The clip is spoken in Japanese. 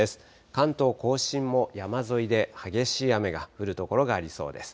関東甲信も山沿いで激しい雨が降る所がありそうです。